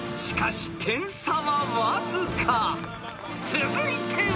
［しかし点差はわずか］